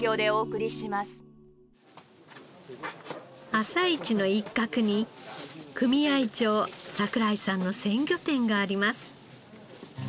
朝市の一角に組合長櫻井さんの鮮魚店があります。